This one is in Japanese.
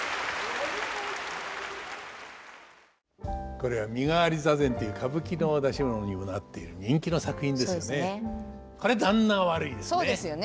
これは「身替座禅」っていう歌舞伎の出し物にもなっている人気の作品ですよね。